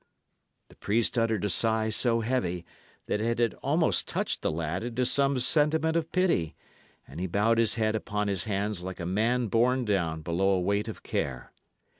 The priest uttered a sigh so heavy that it had almost touched the lad into some sentiment of pity, and he bowed his head upon his hands like a man borne down below a weight of care.